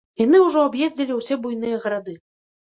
Яны ўжо аб'ездзілі ўсе буйныя гарады.